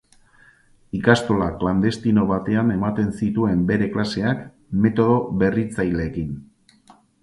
Ikastola klandestino batean ematen zituen bere klaseak, metodo berritzaileekin.